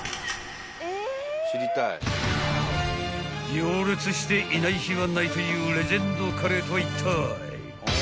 ［行列していない日はないというレジェンドカレーとはいったい？］